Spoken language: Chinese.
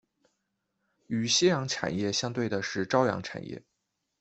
与夕阳产业相对的是朝阳产业。